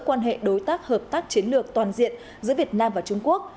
quan hệ đối tác hợp tác chiến lược toàn diện giữa việt nam và trung quốc